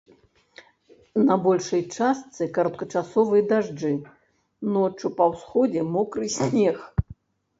На большай частцы кароткачасовыя дажджы, ноччу па ўсходзе мокры снег.